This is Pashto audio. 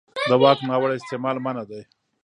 د واک ناوړه استعمال منع دی.